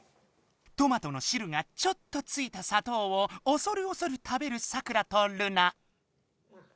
トマトの汁がちょっとついた砂糖をおそるおそる食べるサクラとルナ。